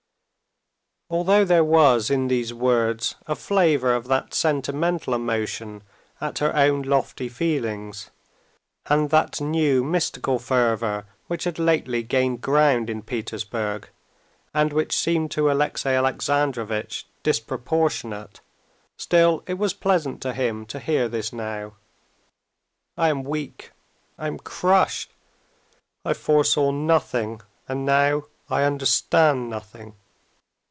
Although there was in these words a flavor of that sentimental emotion at her own lofty feelings, and that new mystical fervor which had lately gained ground in Petersburg, and which seemed to Alexey Alexandrovitch disproportionate, still it was pleasant to him to hear this now. "I am weak. I am crushed. I foresaw nothing, and now I understand nothing."